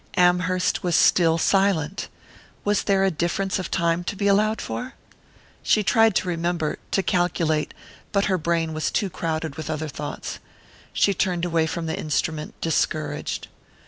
Amherst was still silent! Was there a difference of time to be allowed for? She tried to remember, to calculate, but her brain was too crowded with other thoughts.... She turned away from the instrument discouraged.